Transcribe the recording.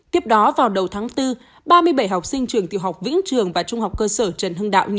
tiếp đó vào đầu tháng bốn ba mươi bảy học sinh trường tiểu học vĩnh trường và trung học cơ sở trần hưng đạo